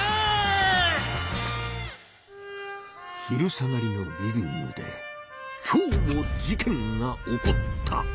昼下がりのリビングで今日も事件が起こった。